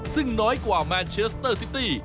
ซึ่งน้อยกว่าแมนเชสเตอร์ซิตี้